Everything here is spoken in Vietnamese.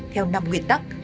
theo năm nguyên tắc